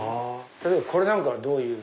例えばこれなんかはどういう？